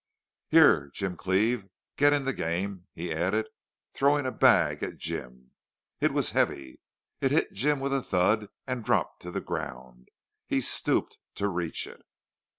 "Here, Jim Cleve, get in the game," he added, throwing a bag at Jim. It was heavy. It hit Jim with a thud and dropped to the ground. He stooped to reach it.